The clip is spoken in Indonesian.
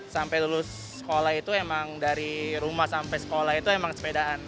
sampai lulus sekolah itu emang dari rumah sampai sekolah itu emang sepedaan